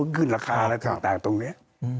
มันก็ขึ้นราคาต่างตรงนี้